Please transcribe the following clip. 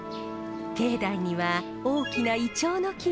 境内には大きなイチョウの木が。